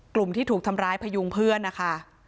กลุ่มที่ถูกทำร้ายพยุงเพื่อนนะคะ